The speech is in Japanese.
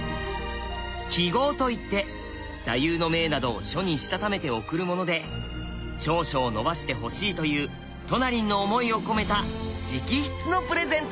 「揮毫」といって座右の銘などを書にしたためて贈るもので長所を伸ばしてほしいというトナリンの思いを込めた直筆のプレゼントです。